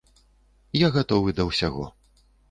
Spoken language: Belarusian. Я гатовы да ўсяго.